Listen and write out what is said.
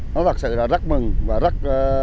nó thật sự là rất mừng và rất